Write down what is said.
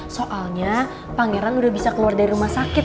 soalnya pangeran udah bisa keluar dari rumah sakit